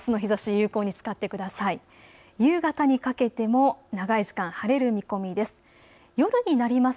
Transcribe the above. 夕方にかけても長い時間晴れる見込みです。